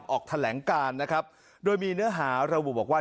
ออกแถลงการโดยมีเนื้อหารบุบอกว่า